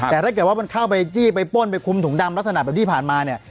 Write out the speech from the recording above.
แต่ถ้าเกิดว่าเข้าไปจี้ปล้นคลุมถุงดำรักษณะเดี่ยวที่ผ่านมาเนี่ย